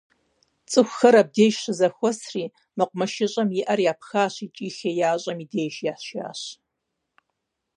ЦӀыхухэр абдеж щызэхуэсри, мэкъумэшыщӀэм и Ӏэхэр япхащ икӀи хеящӀэм и деж яшащ.